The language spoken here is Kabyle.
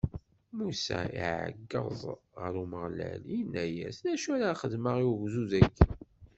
Musa iɛeggeḍ ɣer Umeɣlal, inna-as: D acu ara xedmeɣ i ugdud-agi?